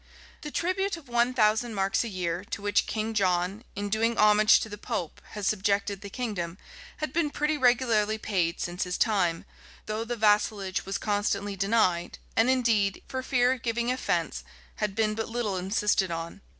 The tribute of one thousand marks a year, to which King John, in doing homage to the pope, had subjected the kingdom, had been pretty regularly paid since his time, though the vassalage was constantly denied, and indeed, for fear of giving offence, had been but little insisted on.